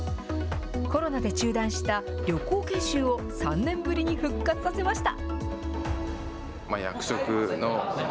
コロナで中断した旅行研修を３年ぶりに復活させました。